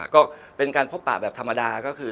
ก็เป็นการพบปากแบบธรรมดา